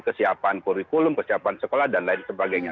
kesiapan kurikulum kesiapan sekolah dan lain sebagainya